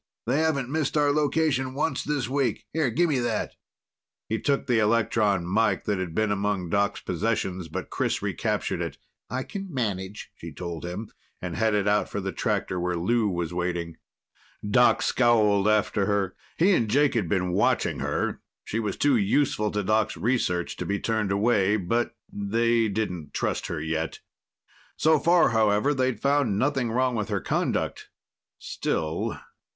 They haven't missed our location once this week. Here, give me that." He took the electron mike that had been among Doc's' possessions, but Chris recaptured it. "I can manage," she told him, and headed out for the tractor where Lou was waiting. Doc scowled after her. He and Jake had been watching her. She was too useful to Doc's research to be turned away, but they didn't trust her yet. So far, however, they had found nothing wrong with her conduct. Still....